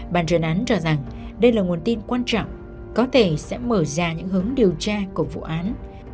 bàn truyền án cho rằng đây là nguồn tin quan trọng có thể sẽ mở ra những hướng điều tra của vụ án